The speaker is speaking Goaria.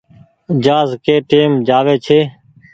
جهآز ڪي ٽيم جآوي ڇي۔